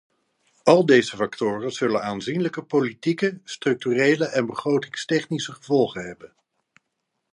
Al deze factoren zullen aanzienlijke politieke, structurele en begrotingstechnische gevolgen hebben.